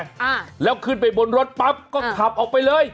อ่าแล้วขึ้นไปบนรถปั๊บก็ขับออกไปเลย